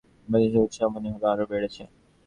বরযাত্রীদের উৎসাহ মনে হল আরো বেড়েছে।